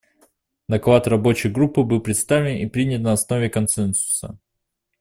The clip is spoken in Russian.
Доклад Рабочей группы был представлен и принят на основе консенсуса.